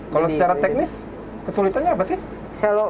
kalau secara teknis kesulitannya apa sih